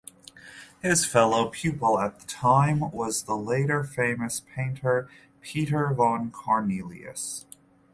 His fellow pupil at the time was the later famous painter Peter von Cornelius.